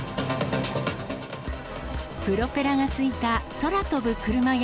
プロペラが付いた空飛ぶクルマや、